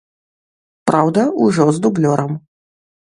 Праўда, ужо з дублёрам.